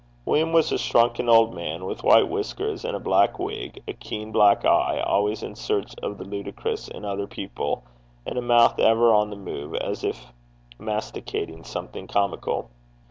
William was a shrunken old man, with white whiskers and a black wig, a keen black eye, always in search of the ludicrous in other people, and a mouth ever on the move, as if masticating something comical.